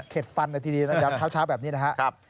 เข็ดฟันเลยทีนี้นะอย่างเช้าแบบนี้นะครับ